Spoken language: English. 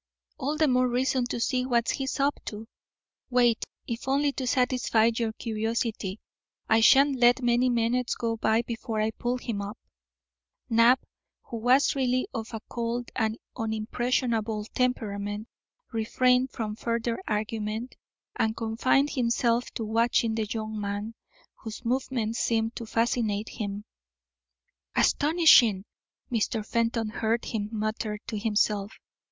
"All the more reason to see what he's up to. Wait, if only to satisfy your curiosity. I shan't let many minutes go by before I pull him up." Knapp, who was really of a cold and unimpressionable temperament, refrained from further argument, and confined himself to watching the young man, whose movements seemed to fascinate him. "Astonishing!" Mr. Fenton heard him mutter to himself.